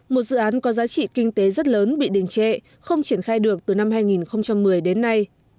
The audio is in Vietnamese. một dự án có giá trị kinh tế rất lớn bị đình trệ không triển khai được từ năm hai nghìn một mươi đến nay